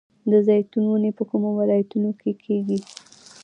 د زیتون ونې په کومو ولایتونو کې ښه کیږي؟